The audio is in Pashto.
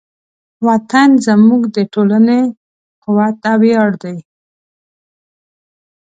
وطن زموږ د ټولنې قوت او ویاړ دی.